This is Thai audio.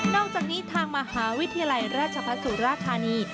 นอกจากนี้ทางมหาวิทยาลัยราชภาษุราคานี